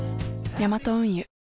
ヤマト運輸